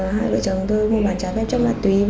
hai vợ chồng tôi mua bán trái phép chất ma túy